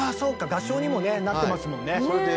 合唱にもねなってますもんね。